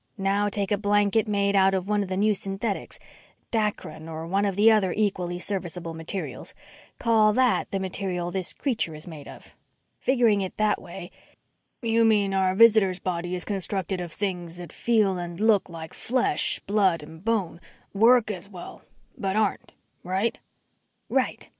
Now, take a blanket made of one of the new synthetics Dacron or any one of the other equally serviceable materials call that the material this creature is made of. Figuring it that way " "You mean our visitor's body is constructed of things that feel and look like flesh, blood and bone work as well, but aren't. Right?" "Right.